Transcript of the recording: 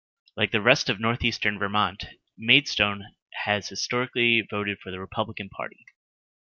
Like the rest of northeastern Vermont, Maidstone has historically voted for the Republican Party.